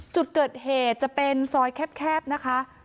จุดเกิดเหตุจะเป็นซอยแคบนะคะ